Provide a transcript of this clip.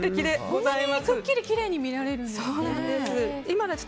こんなにくっきりきれいに見られるんですね。